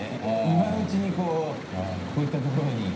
今のうちにこうこういった所に。